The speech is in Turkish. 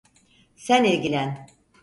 Sen ilgilen.